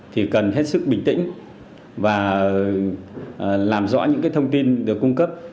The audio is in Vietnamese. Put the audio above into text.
thì cần hết sức bình tĩnh và làm rõ những thông tin được cung cấp